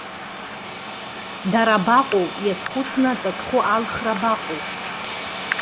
Дара абаҟоу, иазхәыцны аҵатәхәы алхра абаҟоу?